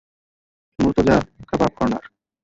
মুরতোজা kebab corner.